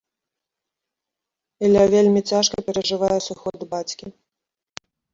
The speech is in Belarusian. Ілля вельмі цяжка перажывае сыход бацькі.